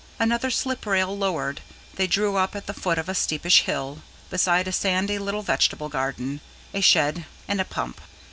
Another slip rail lowered, they drew up at the foot of a steepish hill, beside a sandy little vegetable garden, a shed and a pump.